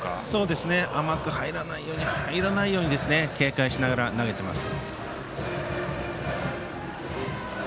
甘く入らないように警戒しながら投げています。